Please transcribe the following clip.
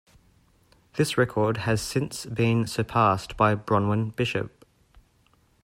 This record has since been surpassed by Bronwyn Bishop.